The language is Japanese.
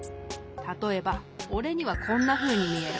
たとえばおれにはこんなふうにみえる。